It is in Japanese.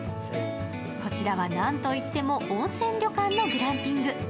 こちらはなんといっても温泉旅館のグランピング。